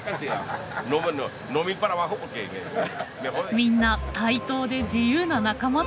みんな対等で自由な仲間って感じ。